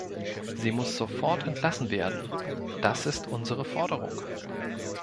Sie muss sofort entlassen werden, das ist unsere Forderung.